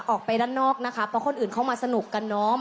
ออกไปด้านนอกนะคะเพราะคนอื่นเข้ามาสนุกกันเนอะ